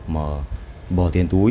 mà bỏ tiền túi